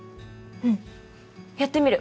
うんやってみる。